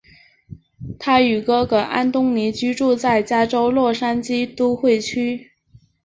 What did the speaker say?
他与哥哥安东尼居住在加州洛杉矶都会区。